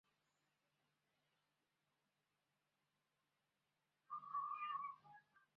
长梗匙叶五加为五加科五加属匙叶五加的变种。